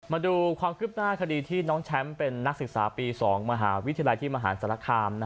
มาดูความคืบหน้าคดีที่น้องแชมป์เป็นนักศึกษาปี๒มหาวิทยาลัยที่มหาศาลคาม